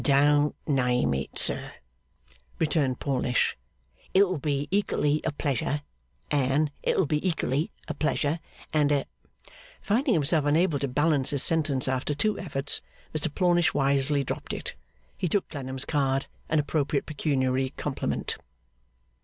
'Don't name it, sir,' returned Plornish, 'it'll be ekally a pleasure an a it'l be ekally a pleasure and a ' Finding himself unable to balance his sentence after two efforts, Mr Plornish wisely dropped it. He took Clennam's card and appropriate pecuniary compliment.